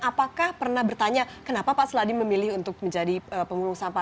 apakah pernah bertanya kenapa pak seladi memilih untuk menjadi pengurus sampah